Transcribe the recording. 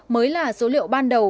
mới là số liệu ban đầu